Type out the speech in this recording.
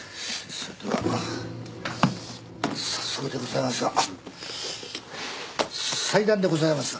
それでは早速でございますが祭壇でございますが。